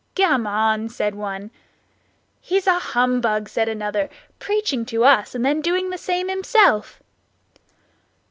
"Gammon!" said one. "He's a humbug," said another; "preaching to us and then doing the same himself."